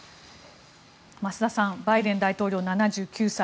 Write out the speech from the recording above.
増田さんバイデン大統領、７９歳。